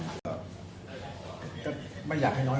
จะขึ้นเลยจากไม่อยากให้น้อยกว่าเดิมไม่อยากให้น้อยพอเดิม